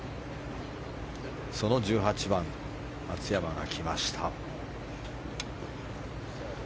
その１８番、松山が来ました。